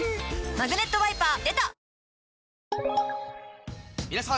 「マグネットワイパー」出た！